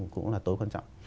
cũng là tối quan trọng